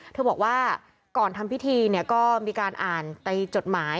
เธอบอกว่าก่อนทำพิธีเนี่ยก็มีการอ่านในจดหมาย